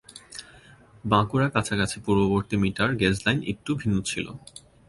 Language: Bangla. বাঁকুড়া কাছাকাছি পূর্ববর্তী মিটার গেজ লাইন একটু ভিন্ন ছিল।